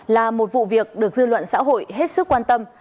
là một vụ việc được dư luận xã hội hết sức quan tâm